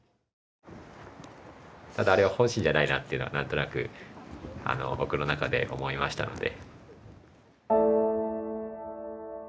ただあれは本心じゃないなっていうのは何となく僕の中で思いましたので。